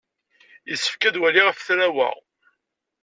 Yessefk ad waliɣ afetraw-a.